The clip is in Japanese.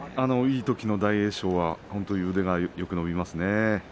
いいときの大栄翔はよく腕が伸びますね。